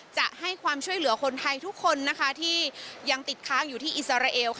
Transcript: จะให้ความช่วยเหลือคนไทยทุกคนที่ยังติดค้างอยู่ที่อิสราเอล